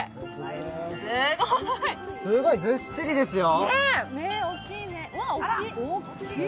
すごいずっしりですよ。